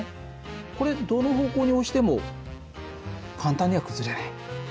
これどの方向に押しても簡単には崩れない。